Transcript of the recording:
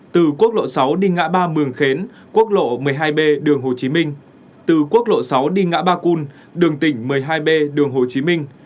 từ quốc lộ sáu đi ngã ba mường khến quốc lộ một mươi hai b đường hồ chí minh từ quốc lộ sáu đi ngã ba cun đường tỉnh một mươi hai b đường hồ chí minh